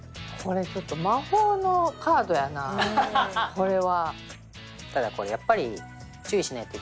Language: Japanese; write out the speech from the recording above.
これは。